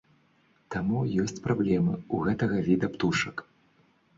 Таму ёсць праблемы ў гэтага віда птушак.